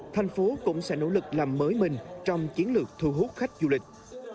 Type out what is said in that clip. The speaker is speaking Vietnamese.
thành phố cũng sẽ nỗ lực làm mới mình trong chiến lược thu hút khách du lịch